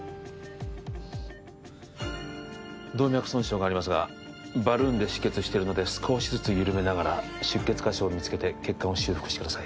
動脈損傷がありますがバルーンで止血してるので少しずつ緩めながら出血箇所を見つけて血管を修復してください